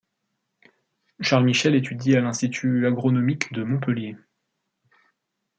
Charles Michel étudie à l'Institut agronomique de Montpellier.